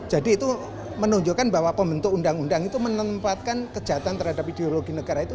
jadi itu menunjukkan bahwa pembentuk undang undang itu menempatkan kejahatan terhadap ideologi negara itu